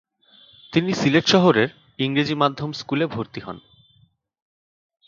তিনি সিলেট শহরের ইংরেজি মাধ্যম স্কুলে ভর্তি হন।